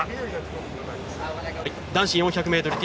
男子４００ｍＴ